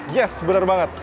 yes benar banget